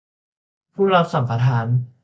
ผู้รับสัมปทาน